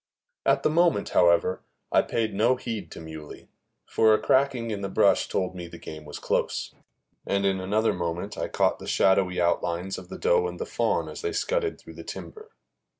At the moment, however, I paid no heed to Muley, for a cracking in the brush told me the game was close, and in another moment I caught the shadowy outlines of the doe and the fawn as they scudded through the timber.